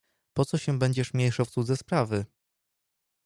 "Po co się będziesz mieszał w cudze sprawy?"